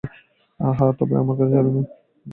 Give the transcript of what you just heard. হ্যাঁ, তবে আমার কাছে চাবি নেই।